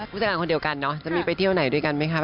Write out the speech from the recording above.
ผู้จัดการคนเดียวกันเนาะจะมีไปเที่ยวไหนด้วยกันไหมคะ